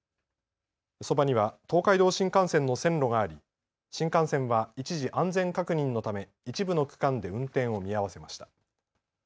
そばには東海道新幹線の線路があり新幹線は一時、安全確認のため一部の区間で運転を見合わせました。